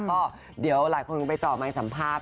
ก็เดี๋ยวหลายคนก็ไปจอมายสัมภาษณ์